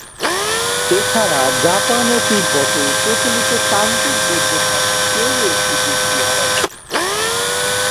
এছাড়া জাপান ও তিব্বতে প্রচলিত তান্ত্রিক বৌদ্ধধর্মের চেয়েও এটি বেশ আলাদা।